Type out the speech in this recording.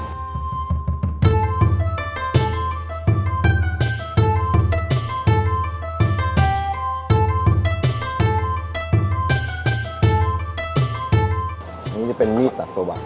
อันนี้จะเป็นมีดตัดโซบะ